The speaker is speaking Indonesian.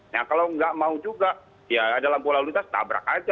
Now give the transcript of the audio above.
nah kalau nggak mau juga ya ada lampu lalu lintas tabrak aja